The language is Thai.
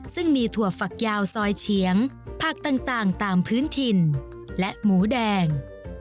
ซึ่งมีถั่วฝักยาวซอยเฉียงผักต่างตามพื้นถิ่นและหมูแดง